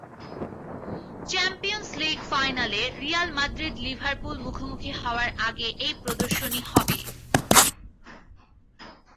Champions League ফাইনালে Real Madrid Liverpool মুখোমুখি হওয়ার আগে এই প্রদর্শনী হবে।